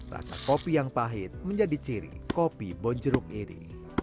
rasa kopi yang pahit menjadi ciri kopi bonjeruk ini